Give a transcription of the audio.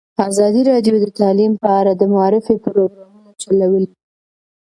ازادي راډیو د تعلیم په اړه د معارفې پروګرامونه چلولي.